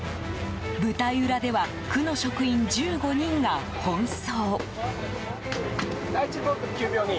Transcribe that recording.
舞台裏では区の職員１５人が奔走。